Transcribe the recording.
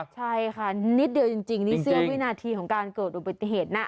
ใช่ค่ะนิดเดียวจริงนี่เสี้ยววินาทีของการเกิดอุบัติเหตุนะ